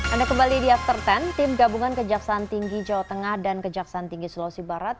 anda kembali di after sepuluh tim gabungan kejaksaan tinggi jawa tengah dan kejaksaan tinggi sulawesi barat